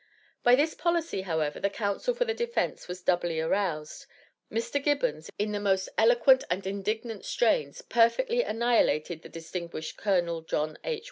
By this policy, however, the counsel for the defense was doubly aroused. Mr. Gibbons, in the most eloquent and indignant strains, perfectly annihilated the "distinguished Colonel John H.